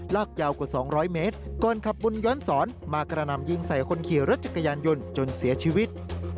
ลากยาวกว่า๒๐๐เมตรก่อนขับบนย้อนสอนมากระหน่ำยิงใส่คนขี่รถจักรยานยนต์จนเสียชีวิต